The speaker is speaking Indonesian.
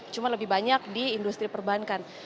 cuma lebih banyak di industri perbankan